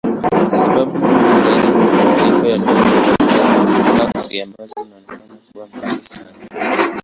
Sababu muhimu zaidi ni mabadiliko ya nuru ya galaksi ambazo zinaonekana kuwa mbali sana.